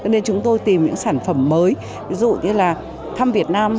nên chúng tôi tìm những sản phẩm mới ví dụ như là thăm việt nam